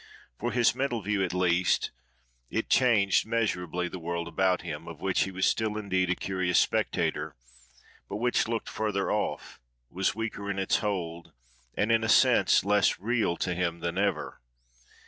For his mental view, at least, it changed measurably the world about him, of which he was still indeed a curious spectator, but which looked further off, was weaker in its hold, and, in a sense, less real to him than ever.